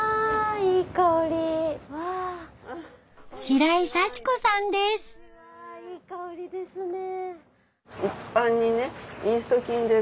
いい香りですね。